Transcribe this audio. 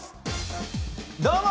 どうも！